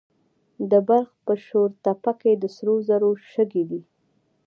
د بلخ په شورتپه کې د سرو زرو شګې دي.